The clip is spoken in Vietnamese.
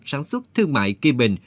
sản xuất thương mại kiên bình